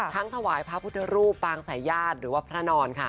ถวายพระพุทธรูปปางสายญาติหรือว่าพระนอนค่ะ